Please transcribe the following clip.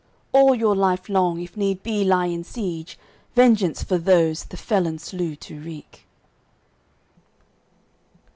All your life long, if need be, lie in siege, Vengeance for those the felon slew to wreak."